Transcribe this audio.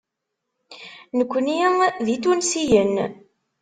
Nekkni d Itunsiyen.